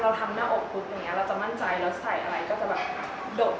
เราจะมั่นใจเราใส่อะไรก็จะแบบ